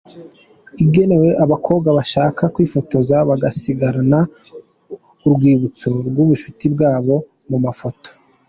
Igenewe abakobwa bashaka kwifotoza bagasigarana urwibutso rw’ubushuti bwabo mu mafoto.